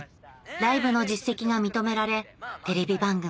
ライブの実績が認められテレビ番組